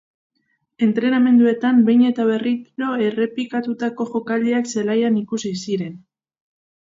Entrenamenduetan behin eta berriro errepikatutako jokaldiak zelaian ikusi ziren.